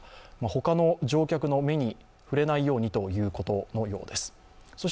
他の乗客の目に触れないようにということのようです。